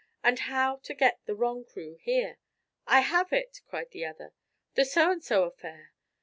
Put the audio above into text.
But how to get the wrong crew there?" "I have it!" cried the other; "the so and so affair!"